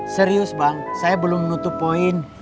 serius bang saya belum menutup poin